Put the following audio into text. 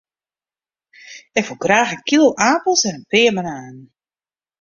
Ik wol graach in kilo apels en in pear bananen.